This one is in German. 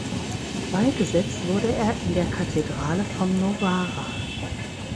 Beigesetzt wurde er in der Kathedrale von Novara.